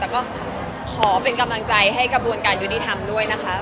แต่ก็ขอเป็นกำลังใจให้กระบวนการยุติธรรมด้วยนะคะ